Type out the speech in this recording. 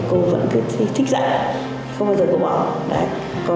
cô vẫn thích dạy không bao giờ bỏ